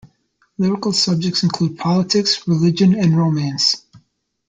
Lyrical subjects include politics, religion, and romance.